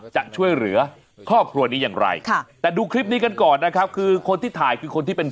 จะช่วยเหลือครอบครัวนี้อย่างไรค่ะแต่ดูคลิปนี้กันก่อนนะครับคือคนที่ถ่ายคือคนที่เป็น